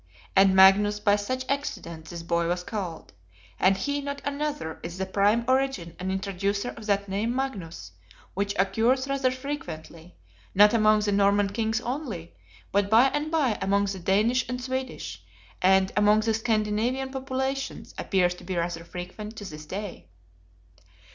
And Magnus, by such accident, this boy was called; and he, not another, is the prime origin and introducer of that name Magnus, which occurs rather frequently, not among the Norman Kings only, but by and by among the Danish and Swedish; and, among the Scandinavian populations, appears to be rather frequent to this day.